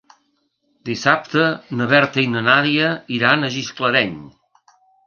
Dissabte na Berta i na Nàdia iran a Gisclareny.